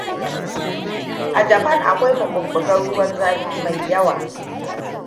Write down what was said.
A Japan, akwai maɓuɓɓugan ruwan zafi mai yawa.